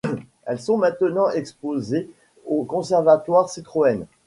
Elles sont maintenant exposées au conservatoire Citroën.